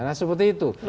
nah seperti itu